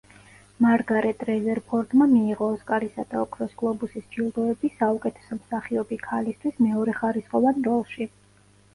მარგარეტ რეზერფორდმა მიიღო ოსკარისა და ოქროს გლობუსის ჯილდოები საუკეთესო მსახიობი ქალისთვის მეორეხარისხოვან როლში.